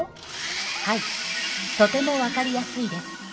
はいとてもわかりやすいです。